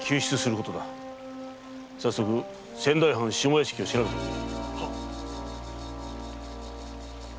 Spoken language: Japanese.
早速仙台藩下屋敷を調べてくれ。